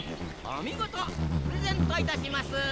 おみごとプレゼントいたします。